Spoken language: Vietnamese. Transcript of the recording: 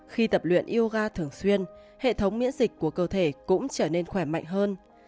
khi tập luyện yoga thường xuyên hệ thống miễn dịch của cơ thể cũng trở nên khỏe mạnh hơn